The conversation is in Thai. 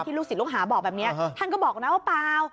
ลูกศิษย์ลูกหาบอกแบบนี้ท่านก็บอกนะว่าเปล่า